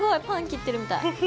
パン切ってるみたい。